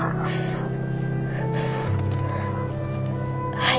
はい。